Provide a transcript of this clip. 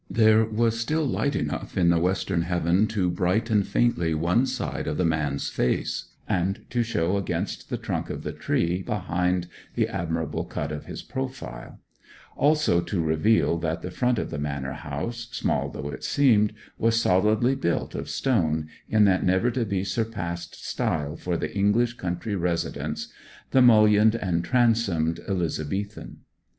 There was still light enough in the western heaven to brighten faintly one side of the man's face, and to show against the trunk of the tree behind the admirable cut of his profile; also to reveal that the front of the manor house, small though it seemed, was solidly built of stone in that never to be surpassed style for the English country residence the mullioned and transomed Elizabethan.